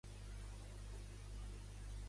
A la cuina em pots posar música gòspel?